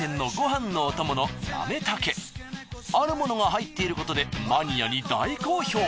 あるものが入っていることでマニアに大好評。